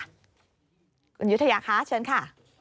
คุณยุธยาคะเชิญค่ะ